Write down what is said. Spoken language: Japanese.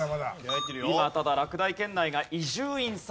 今ただ落第圏内が伊集院さん